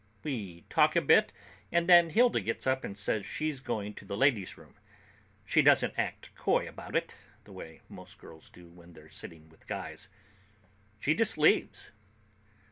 We talk a bit, and then Hilda gets up and says she's going to the ladies' room. She doesn't act coy about it, the way most girls do when they're sitting with guys. She just leaves.